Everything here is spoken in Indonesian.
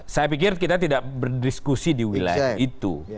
saya pikir kita tidak berdiskusi di wilayah itu